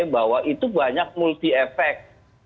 bahwa itu banyak multi effect